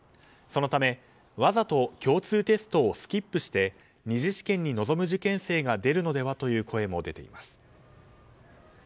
そのため、わざと共通テストをスキップして、２次試験に臨む受験生が出るのではという声も出ています。